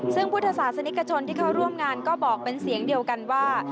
ซึ่งพุทธศาสนิกชนที่เข้าร่วมงานก็บอกเป็นเสียงเดียวกันว่า